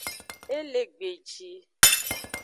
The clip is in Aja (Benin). E le gbeji.